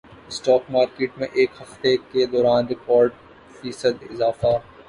stock market میں ایک ہفتے کے دوران ریکارڈ فیصد اضافہ